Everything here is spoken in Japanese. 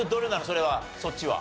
それはそっちは。